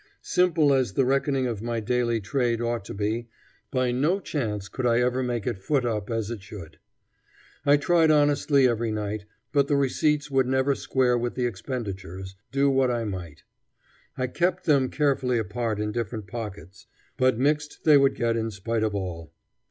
Simple as the reckoning of my daily trade ought to be, by no chance could I ever make it foot up as it should. I tried honestly every night, but the receipts would never square with the expenditures, do what I might. I kept them carefully apart in different pockets, but mixed they would get in spite of all.